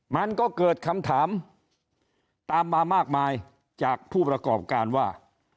มันก็เกิดคำถามตามมามากมายจากผู้ประกอบการว่า